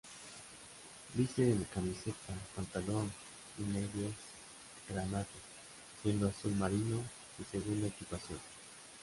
Viste de camiseta, pantalón y medias granates, siendo azul marino su segunda equipación.